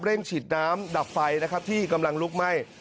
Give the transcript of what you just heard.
ฉีดน้ำดับไฟนะครับที่กำลังลุกไหม้